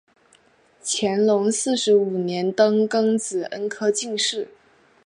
乾隆四十五年登庚子恩科进士。